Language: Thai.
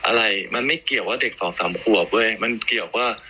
อะไรมันไม่เกี่ยวว่าเด็กสองสามขวบเว้ยมันเกี่ยวกับ